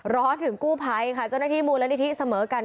ร้อนถึงกู้ภัยค่ะเจ้าหน้าที่มูลนิธิเสมอกัน